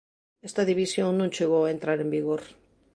Esta división non chegou a entrar en vigor.